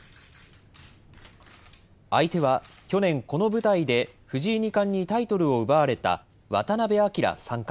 相手は去年、この舞台で藤井二冠にタイトルを奪われた渡辺明三冠。